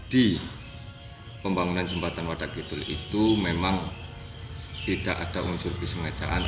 di pembangunan jembatan wadakitul itu memang tidak ada unsur kesengajaan